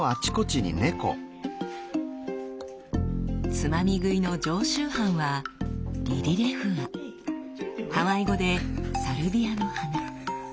つまみ食いの常習犯はハワイ語で「サルビアの花」。